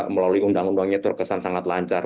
melalui undang undangnya terkesan sangat lancar